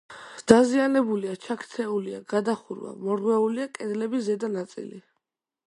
დაზიანებულია, ჩაქცეულია გადახურვა, მორღვეულია კედლების ზედა ნაწილი.